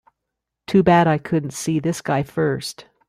Too bad I couldn't see this guy first.